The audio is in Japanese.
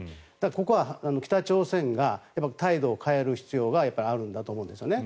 ここは北朝鮮が態度を変える必要があるんだと思うんですね。